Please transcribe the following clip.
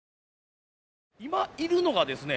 今いるのがですね